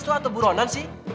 lumayan berlebihan sih